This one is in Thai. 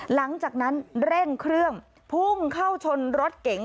หลังจากนั้นเร่งเครื่องพุ่งเข้าชนรถเก๋ง